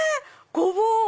「ごぼう」